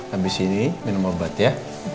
habis ini minum obat ya